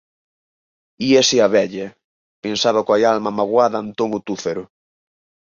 «Íase a vella», pensaba coa alma magoada Antón o túzaro.